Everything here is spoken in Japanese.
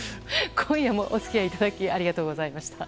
今夜もお付き合いいただきありがとうございました。